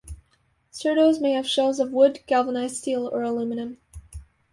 Surdos may have shells of wood, galvanized steel, or aluminum.